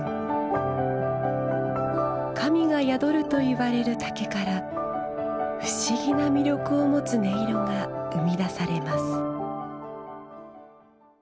神が宿るといわれる竹から不思議な魅力を持つ音色が生み出されます。